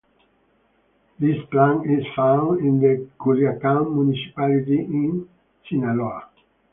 This plant is found in the Culiacan municipality in Sinaloa.